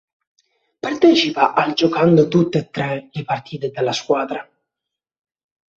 Partecipa al giocando tutte e tre le partite della squadra.